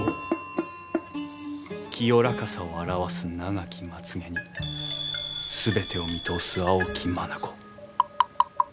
清らかさを表す長きまつ毛に全てを見通す蒼き眼。